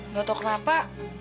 gak tau kenapa